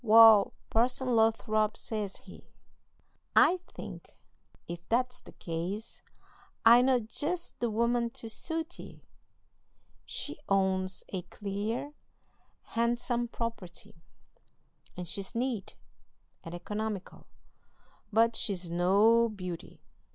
Wal, Parson Lothrop, says he: 'I think, if that's the case, I know jest the woman to suit ye. She owns a clear, handsome property, and she's neat and economical; but she's no beauty!'